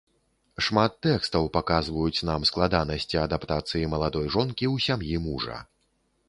Шмат тэкстаў паказваюць нам складанасці адаптацыі маладой жонкі ў сям'і мужа.